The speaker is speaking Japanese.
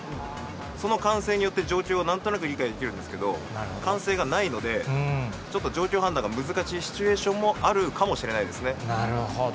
その歓声によって状況をなんとなく理解できるんですけど、歓声がないので、ちょっと状況判断が難しいシチュエーションもあるかもしれないでなるほど。